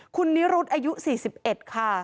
คุณนิรุธอายุ๔๑ค่ะ